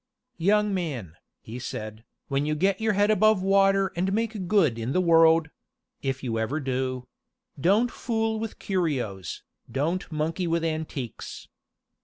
"Young man," he said, "when you get your head above water and make good in the world if you ever do don't fool with curios, don't monkey with antiques.